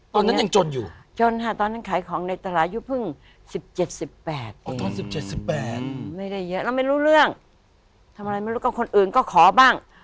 ตอนนั้นยังจนอยู่จนค่ะตอนนั้นขายของในตลาดยุคเพิ่ง๑๗๑๘ตอน๑๗๑๘ไม่ได้เยอะแล้วไม่รู้เรื่องทำอะไรไม่รู้ก็คนอื่นก็ขอบ้าง